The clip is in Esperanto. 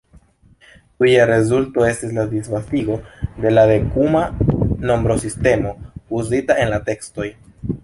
Tuja rezulto estis la disvastigo de la dekuma nombrosistemo uzita en la tekstoj.